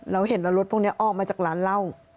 เราเห็นว่ารถพวกนี้ออกมาจากร้านเหล้า